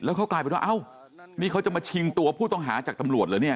เขากลายเป็นว่าเอ้านี่เขาจะมาชิงตัวผู้ต้องหาจากตำรวจเหรอเนี่ย